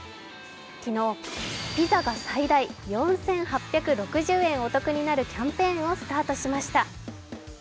昨日、ピザが最大４８６０円お得になるキャンペーンをスタートしました。